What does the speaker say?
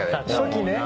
初期ね。